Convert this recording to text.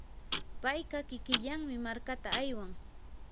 payqa kikillanmi markata aywan.